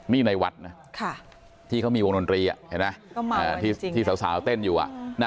นี่ในวัดนะที่เขามีวงดนตรีเห็นไหมที่สาวเต้นอยู่